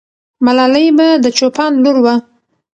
ملالۍ به د چوپان لور وه.